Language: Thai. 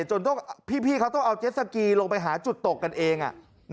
พี่เขาต้องเอาเจ็ดสกีลงไปหาจุดตกกันเอง